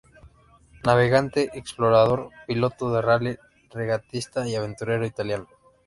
Navegante, explorador, piloto de rally, regatista y aventurero italiano.